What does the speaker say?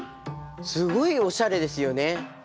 すごいおしゃれですよね。